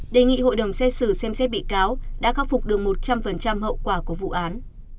đề nghị hội đồng xét xử xem xét bị cáo đã khắc phục được một trăm linh hậu quả của vụ án